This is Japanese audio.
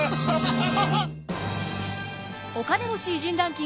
お金持ち偉人ランキング